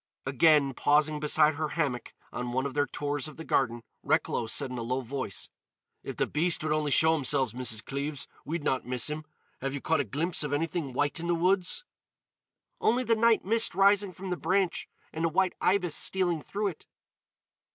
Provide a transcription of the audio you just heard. Again, pausing beside her hammock on one of their tours of the garden, Recklow said in a low voice: "If the beast would only show himself, Mrs. Cleves, we'd not miss him. Have you caught a glimpse of anything white in the woods?" "Only the night mist rising from the branch and a white ibis stealing through it."